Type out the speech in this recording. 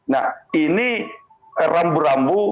nah ini rambu rambu